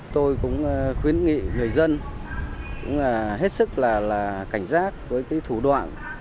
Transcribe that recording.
tôi cũng khuyến nghị người dân hết sức là cảnh giác với thủ đoạn